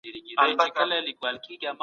ايا پيوستون بدلېدای سي؟